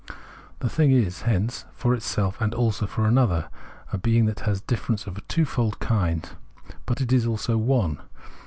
The thing is, hence, for itself and also for another, a being that has difference of a twofold kind. But it is also "one."